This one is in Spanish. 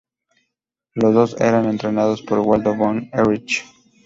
Los dos eran entrenados por Waldo Von Erich.